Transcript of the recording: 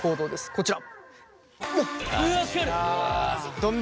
こちら。